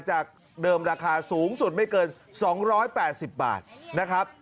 จากเดิมราคาสูงสุดไม่เกิน๒๘๐บาทนะครับ